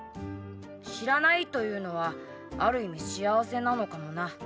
知らないというのはある意味幸せなのかもな。